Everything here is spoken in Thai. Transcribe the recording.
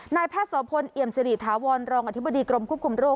นายแพทย์โสพลเอี่ยมสิริถาวรรองอธิบดีกรมควบคุมโรค